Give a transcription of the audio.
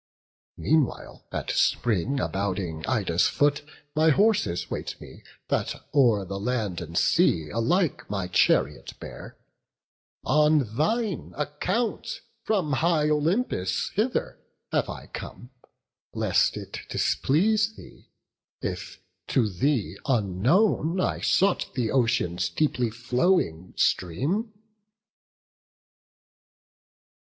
Meanwhile at spring abounding Ida's foot My horses wait me, that o'er land and sea Alike my chariot bear; on thine account From high Olympus hither have I come, Lest it displease thee, if, to thee unknown, I sought the Ocean's deeply flowing stream."